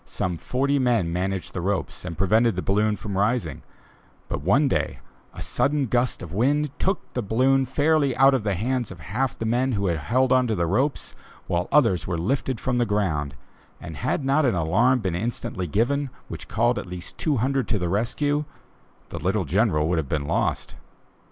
Some forty men managed the ropes and prevented the balloon from rising; but, one day, a sudden gust of wind took the balloon fairly out of the hands of half the men who had hold of the ropes, while others were lifted from the ground, and had not an alarm been instantly given which called at least two hundred to the rescue the little General would have been lost.